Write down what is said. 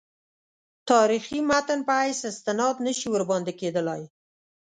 تاریخي متن په حیث استناد نه شي ورباندې کېدلای.